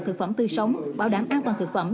thực phẩm tươi sống bảo đảm an toàn thực phẩm